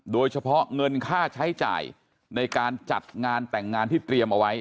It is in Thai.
โดยเฉพาะเงินค่าใช้จ่ายในการจัดงานแต่งงานที่เตรียมเอาไว้